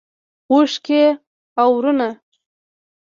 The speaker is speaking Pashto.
اوښکې اورونه